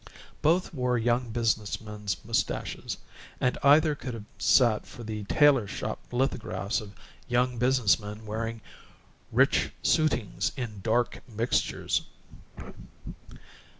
Both wore young business men's mustaches, and either could have sat for the tailor shop lithographs of young business men wearing "rich suitings in dark mixtures."